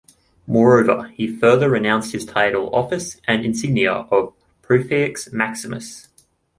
Moreover, he further renounced the title, office, and insignia of the "Pontifex Maximus".